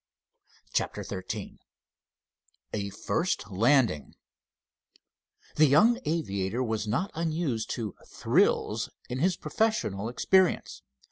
CHAPTER XIII A FIRST LANDING The young aviator was not unused to "thrills" in his professional experience.